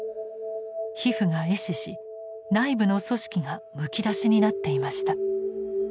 皮膚が壊死し内部の組織がむき出しになっていました。